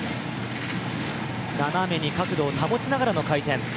斜めに角度を保ちながらの回転。